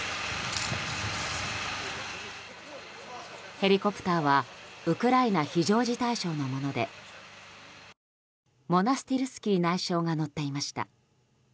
ヘリコプターはウクライナ非常事態省のものでモナスティルスキー内相が乗っていました。